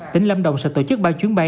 tỉnh lâm đồng sẽ tổ chức ba chuyến bay